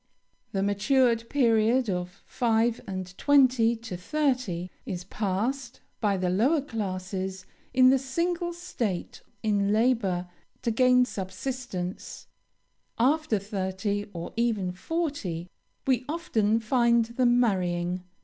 The matured period of five and twenty to thirty, is passed by the lower classes in the single state in labor to gain subsistence; after thirty, or even forty, we often find them marrying.